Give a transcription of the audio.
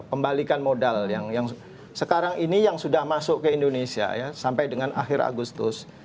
pembalikan modal yang sekarang ini yang sudah masuk ke indonesia ya sampai dengan akhir agustus